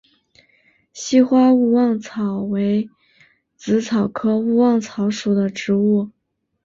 稀花勿忘草为紫草科勿忘草属的植物。